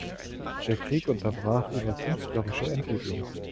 Der Krieg unterbrach ihre künstlerische Entwicklung.